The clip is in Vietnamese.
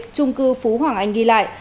trung cư phú hoàng anh ghi lại